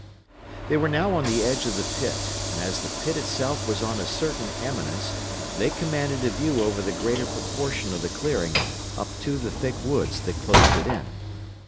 They were now on the edge of the pit; and as the pit itself was on a certain eminence, they commanded a view over the greater proportion of the clearing, up to the thick woods that closed it in.